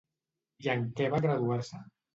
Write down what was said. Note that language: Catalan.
I en què va graduar-se?